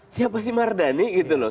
siapa sih mardani gitu loh